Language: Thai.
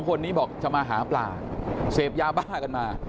คนนี้บอกจะมาหาปลาเสพยาบ้ากันมา